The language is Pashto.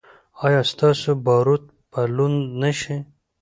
ایا ستاسو باروت به لوند نه شي؟